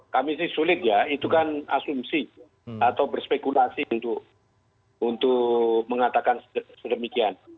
kami sih sulit ya itu kan asumsi atau berspekulasi untuk mengatakan sedemikian